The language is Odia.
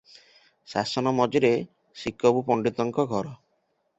ଶାସନ ମଝିରେ ଶିକବୁ ପଣ୍ତିତଙ୍କ ଘର ।